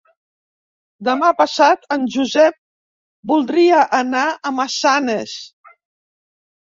Demà passat en Josep voldria anar a Massanes.